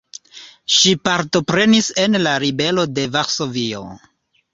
Ŝi partoprenis en la ribelo de Varsovio.